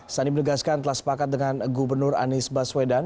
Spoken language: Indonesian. sandi menegaskan telah sepakat dengan gubernur anies baswedan